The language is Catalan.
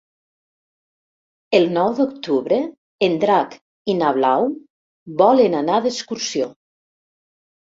El nou d'octubre en Drac i na Blau volen anar d'excursió.